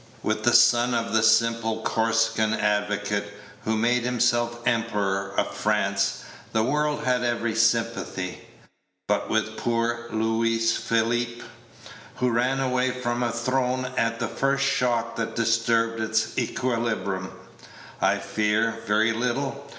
With the son of the simple Corsican advocate, who made himself Emperor of France, the world had every sympathy, but with poor Louis Philippe, who ran away from a throne at the first shock that disturbed its equilibrium, I fear, very little.